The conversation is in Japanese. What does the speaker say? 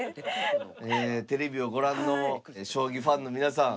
ええテレビをご覧の将棋ファンの皆さん